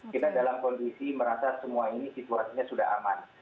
kita dalam kondisi merasa semua ini situasinya sudah aman